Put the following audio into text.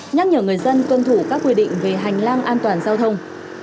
nhắc nhở người dân tuân thủ các quy định về hành lang an toàn giao thông